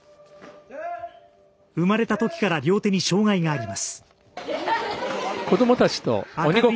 生まれたときから両手に障がいがあります。